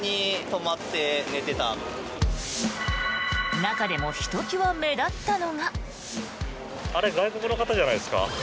中でもひと際目立ったのが。